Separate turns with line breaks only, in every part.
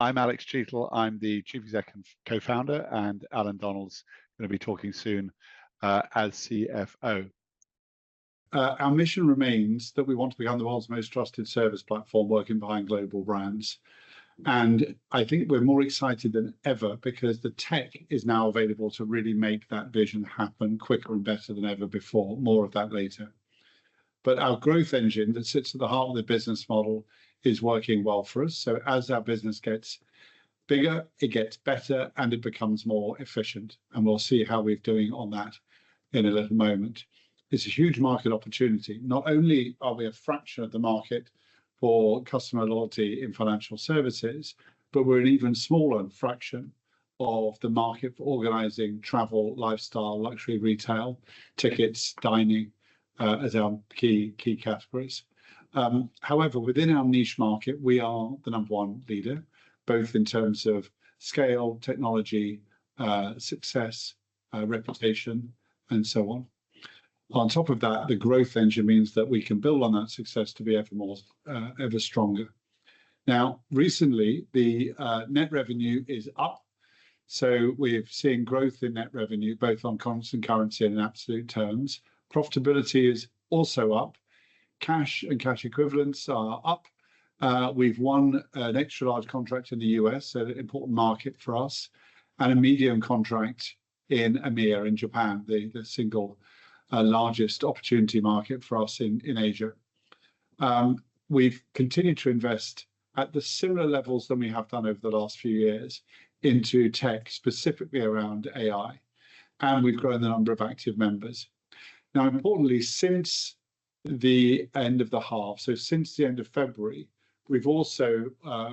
I'm Alex Cheatle. I'm the Chief Executive Co-founder, and Alan Donald's going to be talking soon as CFO. Our mission remains that we want to become the world's most trusted service platform, working behind global brands. I think we're more excited than ever because the tech is now available to really make that vision happen quicker and better than ever before. More of that later. Our growth engine that sits at the heart of the business model is working well for us. As our business gets bigger, it gets better, and it becomes more efficient. We'll see how we're doing on that in a little moment. It's a huge market opportunity. Not only are we a fraction of the market for customer loyalty in financial services, but we're an even smaller fraction of the market for organizing travel, lifestyle, luxury retail, tickets, dining as our key categories. However, within our niche market, we are the number one leader, both in terms of scale, technology, success, reputation, and so on. On top of that, the growth engine means that we can build on that success to be ever stronger. Now, recently, the net revenue is up. We have seen growth in net revenue, both on constant currency and in absolute terms. Profitability is also up. Cash and cash equivalents are up. We have won an extra-large contract in the U.S., an important market for us, and a medium contract in EMEA and in Japan, the single largest opportunity market for us in Asia. We have continued to invest at the similar levels that we have done over the last few years into tech, specifically around AI. We have grown the number of active members. Now, importantly, since the end of the half, so since the end of February, we have also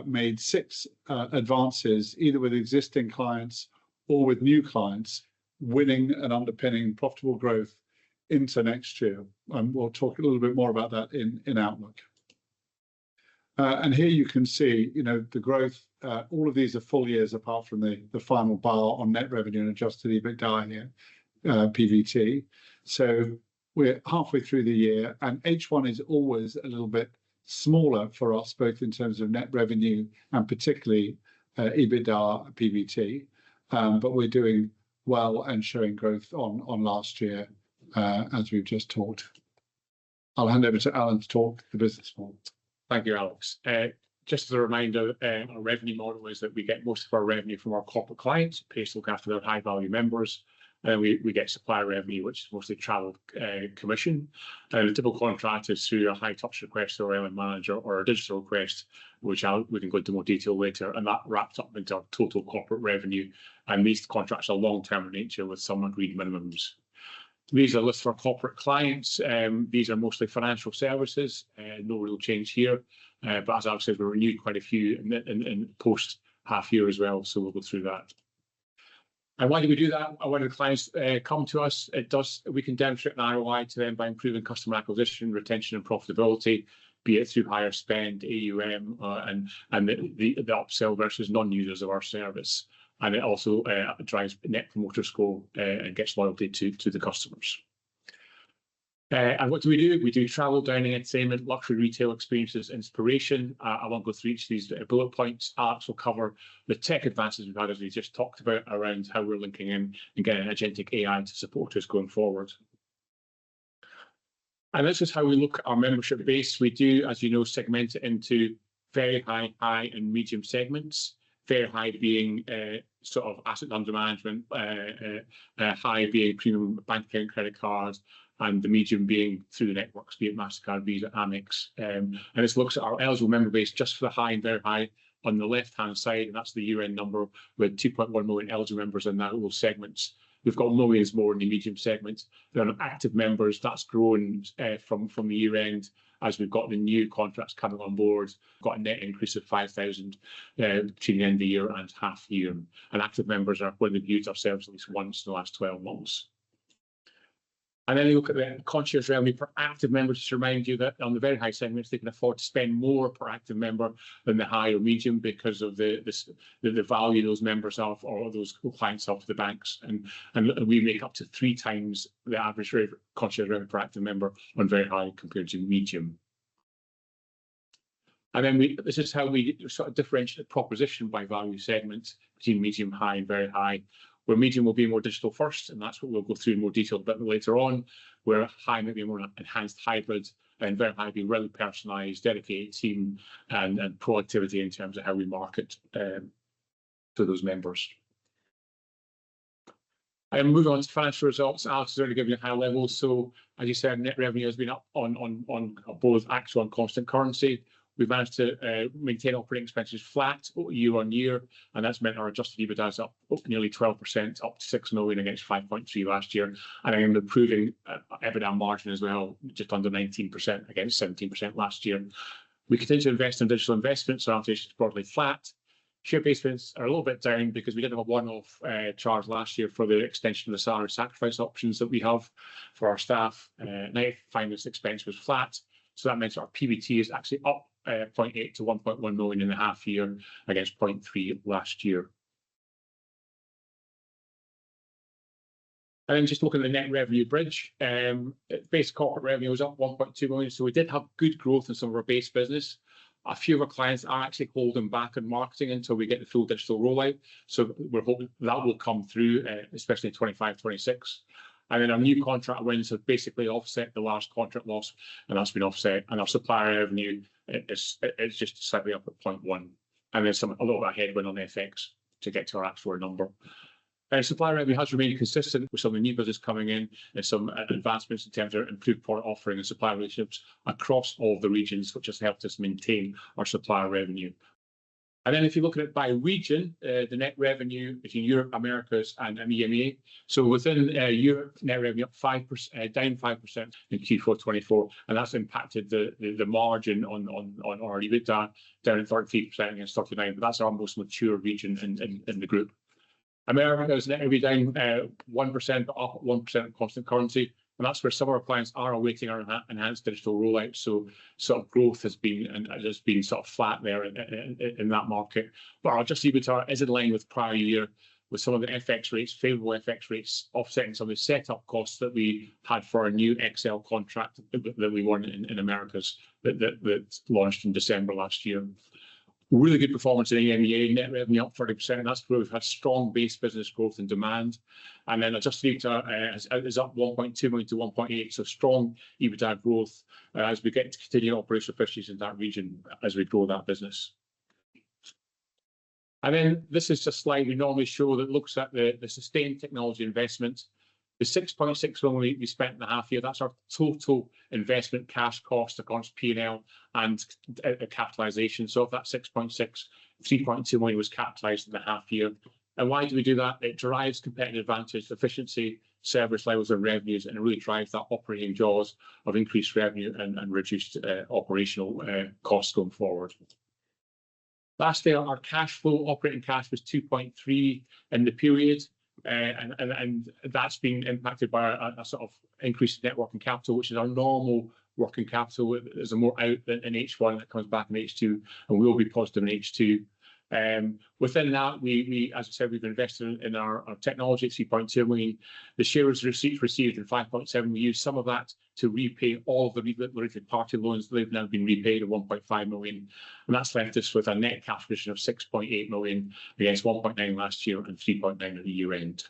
made six advances, either with existing clients or with new clients, winning and underpinning profitable growth into next year. We will talk a little bit more about that in Outlook. Here you can see the growth. All of these are full years apart from the final bar on net revenue and Adjusted EBITDA here, PBT. We are halfway through the year. H1 is always a little bit smaller for us, both in terms of net revenue and particularly EBITDA and PBT. We are doing well and showing growth on last year, as we have just talked. I will hand over to Alan to talk the business model.
Thank you, Alex. Just as a reminder, our revenue model is that we get most of our revenue from our corporate clients, paying after their high-value members. We get supplier revenue, which is mostly travel commission. A typical contract is through a high-touch request or a manager or a digital request, which we can go into more detail later. That wraps up into our total corporate revenue. These contracts are long-term in nature with some agreed minimums. These are a list of our corporate clients. These are mostly financial services. No real change here. As Alex said, we renewed quite a few in the post-half year as well. We will go through that. Why did we do that? I wanted clients to come to us. We can demonstrate an ROI to them by improving customer acquisition, retention, and profitability, be it through higher spend, AUM, and the upsell versus non-users of our service. It also drives Net Promoter Score and gets loyalty to the customers. What do we do? We do travel, dining, entertainment, luxury retail experiences, inspiration. I won't go through each of these bullet points. Alex will cover the tech advances we've had, as we just talked about, around how we're linking in and getting agentic AI to support us going forward. This is how we look at our membership base. We do, as you know, segment it into very high, high, and medium segments. Very high being sort of asset under management, high being premium banking and credit cards, and the medium being through the networks, be it MasterCard, Visa, Amex. This looks at our eligible member base just for the high and very high on the left-hand side. That is the year-end number with 2.1 million eligible members in that little segment. We have millions more in the medium segment. There are active members that have grown from the year-end as we have the new contracts coming on board. Got a net increase of 5,000 to the end of the year and half year. Active members are when we have used ourselves at least once in the last 12 months. We look at the concierge revenue per active member to remind you that on the very high segments, they can afford to spend more per active member than the high or medium because of the value those members have or those clients have for the banks. We make up to three times the average concierge revenue per active member on very high compared to medium. This is how we sort of differentiate the proposition by value segments between medium, high, and very high, where medium will be more digital-first, and that is what we will go through in more detail a bit later on, where high may be more enhanced hybrid, and very high will be really personalized, dedicated team, and productivity in terms of how we market to those members. Moving on to financial results, Alex has already given you a high level. As you said, net revenue has been up on both actual and constant currency. We have managed to maintain operating expenses flat year on year, and that has meant our Adjusted EBITDA is up nearly 12%, up to $6 million against $5.3 million last year. I am improving EBITDA margin as well, just under 19% against 17% last year. We continue to invest in digital investments, so our position is broadly flat. Share placements are a little bit down because we did have a one-off charge last year for the extension of the salary sacrifice options that we have for our staff. Net finance expense was flat. That means our PBT is actually up $0.8 million to $1.1 million in the half year against $0.3 million last year. Just looking at the net revenue bridge, base corporate revenue was up $1.2 million. We did have good growth in some of our base business. A few of our clients are actually holding back in marketing until we get the full digital rollout. We are hoping that will come through, especially in 2025, 2026. Our new contract wins have basically offset the last contract loss, and that's been offset. Our supplier revenue is just slightly up at 0.1. A little bit of headwind on FX to get to our actual number. Supplier revenue has remained consistent with some of the new business coming in and some advancements in terms of improved product offering and supplier relationships across all of the regions, which has helped us maintain our supplier revenue. If you look at it by region, the net revenue between Europe, Americas, and EMEA. Within Europe, net revenue up down 5% in Q4 2024. That's impacted the margin on our EBITDA, down 33% against 39%. That's our most mature region in the group. America has net revenue down 1%, but up 1% in constant currency. That's where some of our clients are awaiting our enhanced digital rollout. Sort of growth has been sort of flat there in that market. Our Adjusted EBITDA is in line with prior year, with some of the FX rates, favorable FX rates, offsetting some of the setup costs that we had for our new XL contract that we won in Americas that launched in December last year. Really good performance in EMEA, net revenue up 30%. That's where we've had strong base business growth and demand. Adjusted EBITDA is up $1.2 million to $1.8 million. Strong EBITDA growth as we get to continue operational efficiencies in that region as we grow that business. This is just a slide we normally show that looks at the sustained technology investment. The $6.6 million we spent in the half year, that's our total investment cash cost across P&L and capitalization. Of that $6.6 million, $3.2 million was capitalized in the half year. Why do we do that? It drives competitive advantage, efficiency, service levels, and revenues, and it really drives that operating jaws of increased revenue and reduced operational costs going forward. Lastly, our cash flow, operating cash was $2.3 million in the period. That has been impacted by a sort of increased net working capital, which is our normal working capital. There is more out in H1 that comes back in H2, and we will be positive in H2. Within that, as I said, we have invested in our technology at $3.2 million. The shares received in $5.7 million, we used some of that to repay all of the related party loans that have now been repaid of $1.5 million. That's left us with a net capitalization of $6.8 million against $1.9 million last year and $3.9 million at the year-end.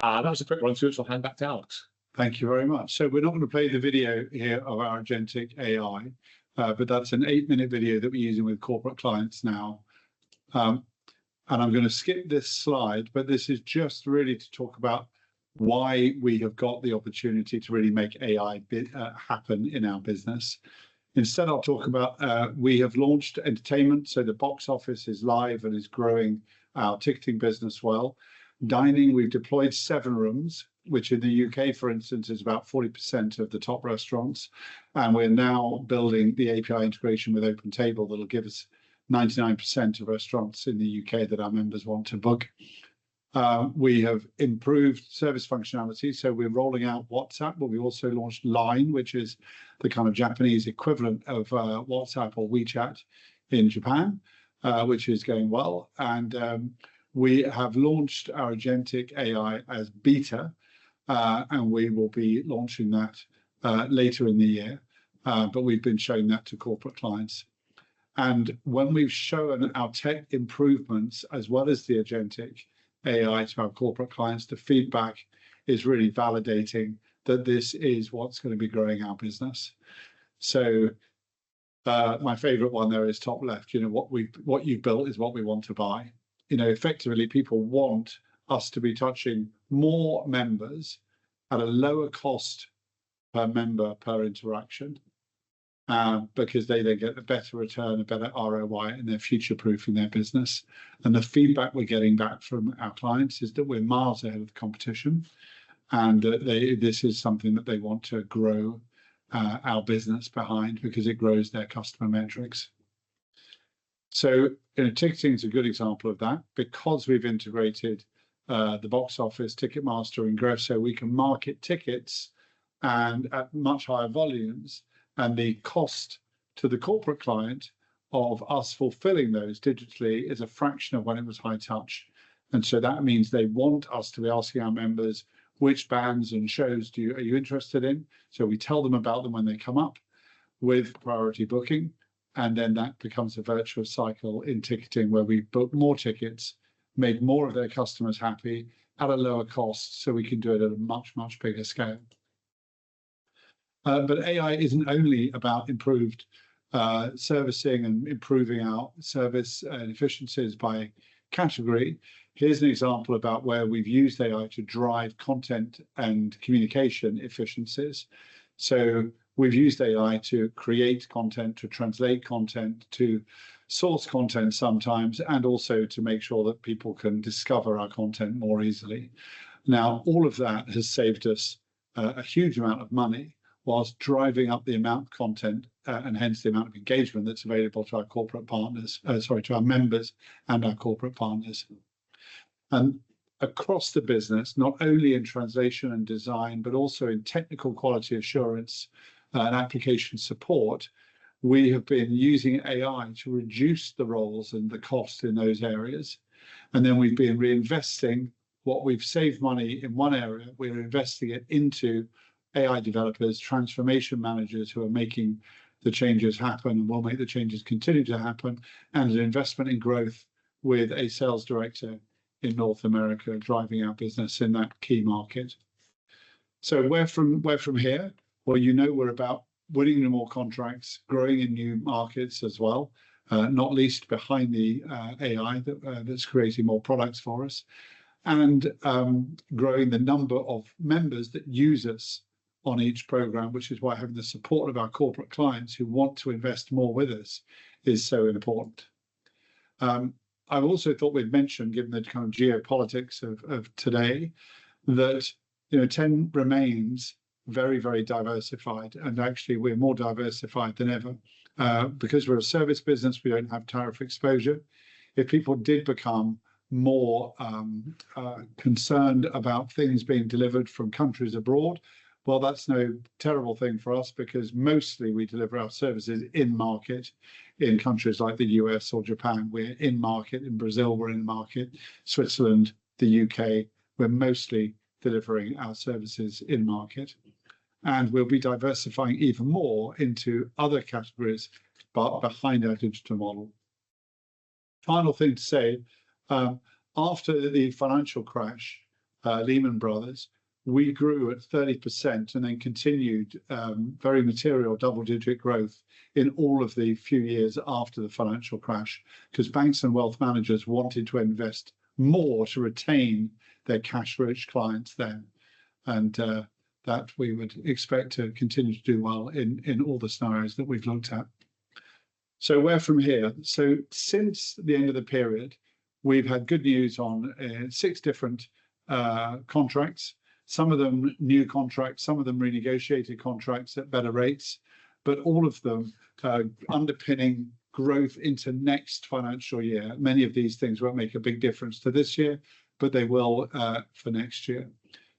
That was a quick run-through. I'll hand back to Alex.
Thank you very much. We are not going to play the video here of our agentic AI, but that's an eight-minute video that we are using with corporate clients now. I am going to skip this slide, but this is just really to talk about why we have got the opportunity to really make AI happen in our business. Instead, I will talk about we have launched entertainment. The Box Office is live and is growing our ticketing business well. Dining, we have deployed SevenRooms, which in the U.K., for instance, is about 40% of the top restaurants. We are now building the API integration with OpenTable that will give us 99% of restaurants in the U.K. that our members want to book. We have improved service functionality. We're rolling out WhatsApp, but we also launched Line, which is the kind of Japanese equivalent of WhatsApp or WeChat in Japan, which is going well. We have launched our agentic AI as Beta, and we will be launching that later in the year. We've been showing that to corporate clients. When we've shown our tech improvements as well as the agentic AI to our corporate clients, the feedback is really validating that this is what's going to be growing our business. My favorite one there is top left. What you've built is what we want to buy. Effectively, people want us to be touching more members at a lower cost per member per interaction because they then get a better return, a better ROI, and they're future-proofing their business. The feedback we're getting back from our clients is that we're miles ahead of the competition and that this is something that they want to grow our business behind because it grows their customer metrics. Ticketing is a good example of that because we've integrated the Box Office, Ticketmaster, Ingresso. We can market tickets at much higher volumes. The cost to the corporate client of us fulfilling those digitally is a fraction of when it was high touch. That means they want us to be asking our members, "Which bands and shows are you interested in?" so we tell them about them when they come up with priority booking. That becomes a virtual cycle in ticketing where we book more tickets, make more of their customers happy at a lower cost so we can do it at a much, much bigger scale. AI isn't only about improved servicing and improving our service and efficiencies by category. Here's an example about where we've used AI to drive content and communication efficiencies. We've used AI to create content, to translate content, to source content sometimes, and also to make sure that people can discover our content more easily. All of that has saved us a huge amount of money whilst driving up the amount of content and hence the amount of engagement that's available to our members and our corporate partners. Across the business, not only in translation and design, but also in technical quality assurance and application support, we have been using AI to reduce the roles and the cost in those areas. We've been reinvesting what we've saved money in one area. We're investing it into AI developers, transformation managers who are making the changes happen and will make the changes continue to happen, and an investment in growth with a sales director in North America driving our business in that key market. You know we're about winning more contracts, growing in new markets as well, not least behind the AI that's creating more products for us, and growing the number of members that use us on each program, which is why having the support of our corporate clients who want to invest more with us is so important. I also thought we'd mention, given the kind of geopolitics of today, that Ten remains very, very diversified. Actually, we're more diversified than ever because we're a service business. We don't have tariff exposure. If people did become more concerned about things being delivered from countries abroad, that's no terrible thing for us because mostly we deliver our services in market in countries like the U.S. or Japan. We're in market. In Brazil, we're in market. Switzerland, the U.K., we're mostly delivering our services in market. We'll be diversifying even more into other categories but behind our digital model. Final thing to say, after the financial crash, Lehman Brothers, we grew at 30% and then continued very material double-digit growth in all of the few years after the financial crash because banks and wealth managers wanted to invest more to retain their cash-rich clients then. That we would expect to continue to do well in all the scenarios that we've looked at. Where from here? Since the end of the period, we've had good news on six different contracts, some of them new contracts, some of them renegotiated contracts at better rates, but all of them underpinning growth into next financial year. Many of these things won't make a big difference to this year, but they will for next year.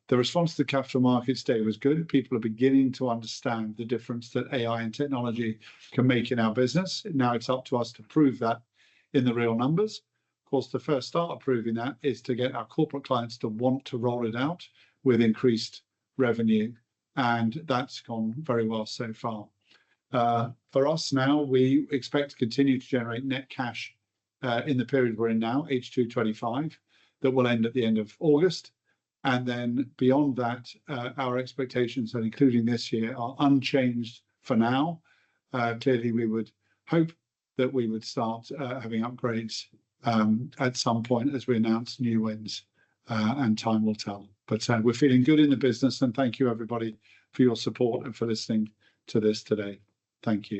The response to the Capital Markets Day was good. People are beginning to understand the difference that AI and technology can make in our business. Now it's up to us to prove that in the real numbers. Of course, the first start of proving that is to get our corporate clients to want to roll it out with increased revenue. That's gone very well so far. For us now, we expect to continue to generate net cash in the period we're in now, H2 2025, that will end at the end of August. Beyond that, our expectations are including this year are unchanged for now. Clearly, we would hope that we would start having upgrades at some point as we announce new wins and time will tell. We are feeling good in the business, and thank you, everybody, for your support and for listening to this today. Thank you.